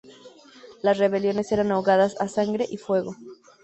Las rebeliones eran ahogadas a sangre y fuego.